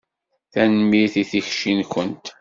Tanemmirt i tikci-nkent.